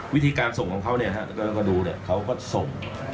วิธีการส่งของเขาแล้วก็ดูเขาก็ส่ง